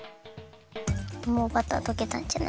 もうバターとけたんじゃない？